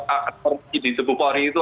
akan terjadi di sebuah polri itu